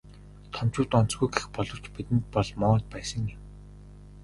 Томчууд онцгүй гэх боловч бидэнд бол моод байсан юм.